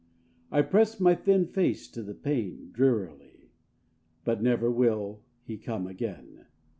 I press my thin face to the pane, Drearily; But never will he come again.